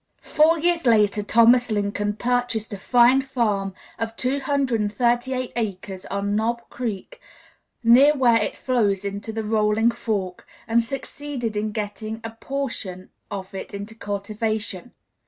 Four years later, Thomas Lincoln purchased a fine farm of 238 acres on Knob Creek, near where it flows into the Rolling Fork, and succeeded in getting a portion of it into cultivation.